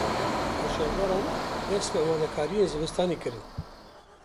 Ajeldaran dest bi amadekariyên zivistanê kirin.